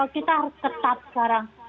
kita harus tetap sekarang